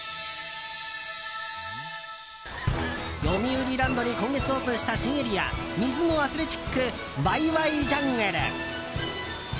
よみうりランドに今月オープンした新エリア水のアスレチックわいわいジャングル。